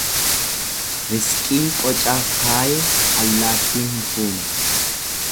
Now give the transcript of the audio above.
Rizqii qocaaf kaaye allaattiin hin fuune.